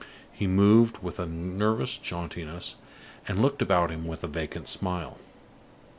He moved with a nervous jauntiness, and looked about him with a vacant smile.